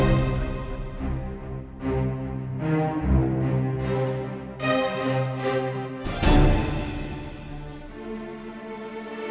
aku yakin hubungan mereka berdua akan hancur